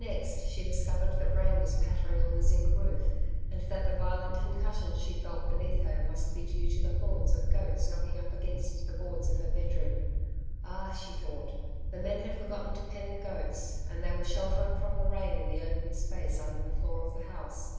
Next she discovered that rain was pattering on the zinc roof, and that the violent concussions she felt beneath her must be due to the horns of goats knocking up against the boards of her bedroom. Ah! she thought, the men had forgotten to pen the goats, and they were sheltering from the rain in the open space under the floor of the house.